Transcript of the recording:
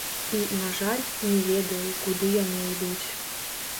І, на жаль, не ведаю, куды яны ідуць.